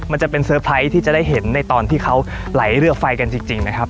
มันจะเป็นเซอร์ไพรส์ที่จะได้เห็นในตอนที่เขาไหลเรือไฟกันจริงนะครับ